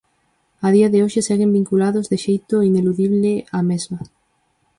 A día de hoxe seguen vinculados de xeito ineludible á mesma.